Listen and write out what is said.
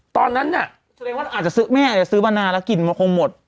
ตอนนั้นน่ะแสดงว่าเราอาจจะซื้อแม่อาจจะซื้อบรรณาแล้วกลิ่นมันคงหมด